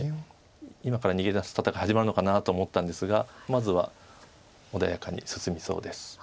今から逃げ出す戦い始まるのかなと思ったんですがまずは穏やかに進みそうです。